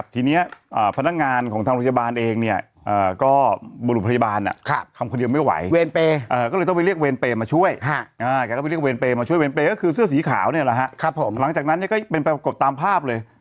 พนักงานของทางโรยาบาลเองเนี่ยก็บรูปพยาบาลนะครับ